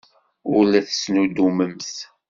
Ur la tettnuddumemt.